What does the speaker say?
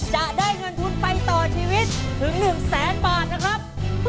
จะได้เงินทุนไปต่อชีวิตถึง๑แสนบาทนะครับ